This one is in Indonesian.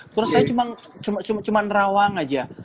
terus saya cuma rawang aja